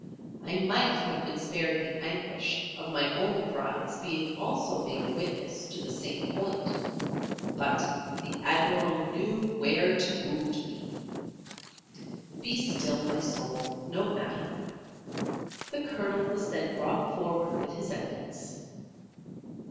I might have been spared the anguish of my own Bride's being also made a witness to the same point, but the Admiral knew where to wound me. Be still my soul, no matter. The Colonel was then brought forward with his evidence.